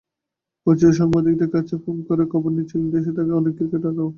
পরিচিত সাংবাদিকদের কাছে ফোন করে খবর নিচ্ছিলেন দেশে থাকা অনেক ক্রিকেটারও।